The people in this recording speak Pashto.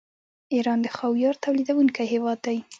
ایران د خاویار تولیدونکی هیواد دی.